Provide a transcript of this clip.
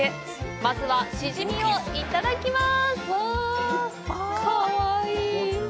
まずは、シジミをいただきます。